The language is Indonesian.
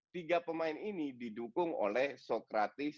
tiga pemain ini didukung oleh sokratis